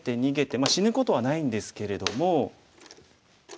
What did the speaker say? まあ死ぬことはないんですけれども。